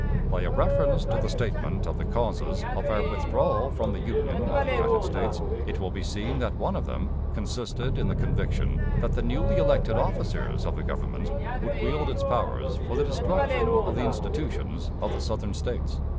By a reference to the statement of the causes of our withdrawal from the Union of the United States, it will be seen that one of them consisted in the conviction that the newly elected officers of the Government would wield its powers for the destruction of the institutions of the Southern States.